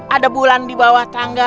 ada bulan di bawah tangga